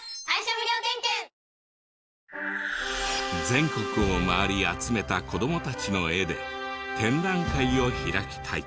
全国を回り集めた子どもたちの絵で展覧会を開きたい。